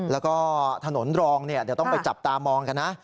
แล้วก็ถนนรองเดี๋ยวต้องไปจับตามองกันนะ